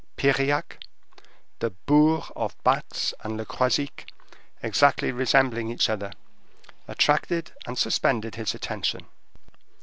Piriac, the bourgs of Batz and Le Croisic, exactly resembling each other, attracted and suspended his attention.